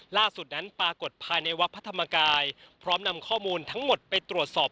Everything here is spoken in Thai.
ล่าสุดนั้นปรากฏภายในวัดพระธรรมกายพร้อมนำข้อมูลทั้งหมดไปตรวจสอบ